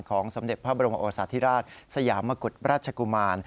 สมเด็จพระบรมโอสาธิราชสยามกุฎราชกุมาร